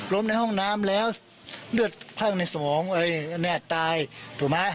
ล้มในห้องน้ำแล้วเลือดพรั่งในสมองแน่ตายถูกไหม